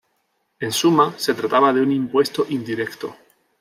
En suma, se trataba de un impuesto indirecto.